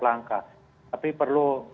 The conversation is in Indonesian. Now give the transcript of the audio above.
masyarakat tapi perlu